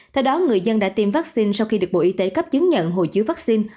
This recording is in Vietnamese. theo đó người dân đã tiêm vắc xin sau khi được bộ y tế cấp chứng nhận hộ chiếu vắc xin